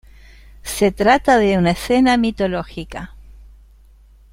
Se trata de una escena mitológica.